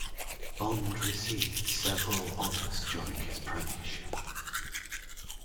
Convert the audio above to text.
Bond received several honours during his premiership.